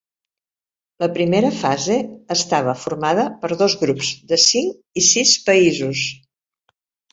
La primera fase estava formada per dos grups de cinc i sis països.